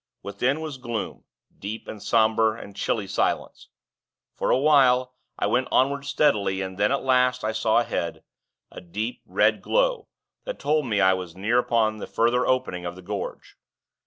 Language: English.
Within, was gloom, deep and somber, and chilly silence. For a while, I went onward steadily, and then, at last, I saw, ahead, a deep, red glow, that told me I was near upon the further opening of the gorge.